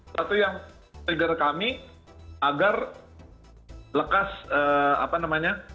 satu yang trigger kami agar lekas apa namanya